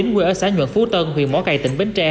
nguyên ở xã nhuận phú tân huyện mó cầy tỉnh bến tre